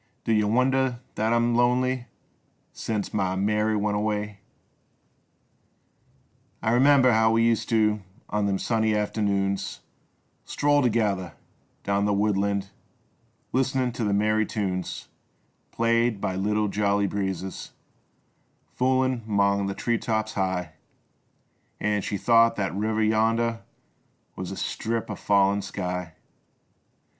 Do yuh wonder that I'm lonely Sence my Mary went av/ay ? 6i 62 SENCE MY MARY WENT AWAY. I remember how we used to On them sunny afternoons Stroll together down the woodland Listenin' t' th' merry tunes Played by little, jolly breezes Foolin' 'mong the tree tops high, An' she thought that river y under Was a strip o' fallen sky.